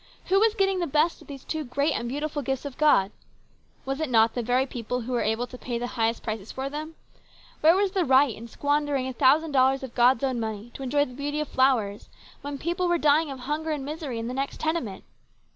Who was getting the best of these two great and beautiful gifts of God ? Was it not the very people who were able to pay the highest prices for them ? Where was the right in squandering a thousand dollars of God's own money to enjoy the beauty of flowers, when people were dying of hunger and misery in the nearest tenement?